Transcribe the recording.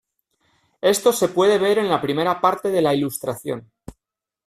Esto se puede ver en la primera parte de la ilustración.